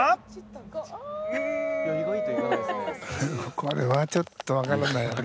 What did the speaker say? これはちょっと分からないよね。